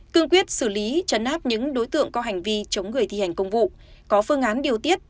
cương quyết xử lý chấn áp những đối tượng có hành vi chống người thi hành công vụ có phương án điều tiết